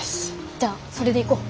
じゃあそれでいこう。